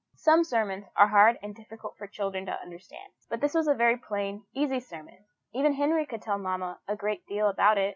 Some sermons are hard and difficult for children to understand, but this was a very plain, easy sermon even Henry could tell his mamma a great deal about it.